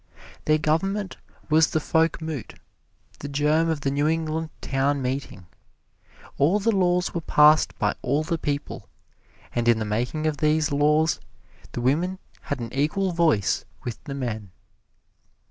Their Government was the Folkmoot, the germ of the New England Town Meeting. All the laws were passed by all the people, and in the making of these laws, the women had an equal voice with the men.